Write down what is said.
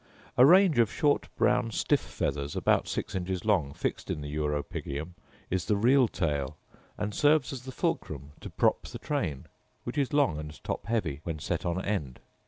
A range of short brown stiff feathers, about six inches long, fixed in the uropygium, is the real tail, and serves as the fulcrum to prop the train, which is long and top heavy, when set on end.